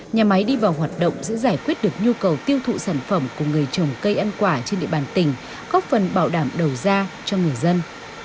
nhà máy đi vào hoạt động giữ giải quyết được nhu cầu tiêu thụ sản phẩm của người trồng cây ăn quả trên địa bàn tỉnh góp phần bảo đảm đầu ra cho người dân